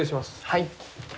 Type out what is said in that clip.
はい。